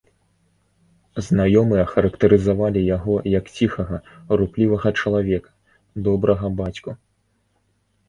Знаёмыя характарызавалі яго як ціхага, руплівага чалавека, добрага бацьку.